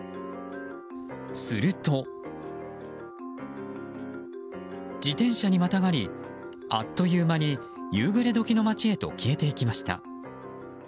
すると、自転車にまたがりあっという間に夕暮れ時の街へと消えてきました。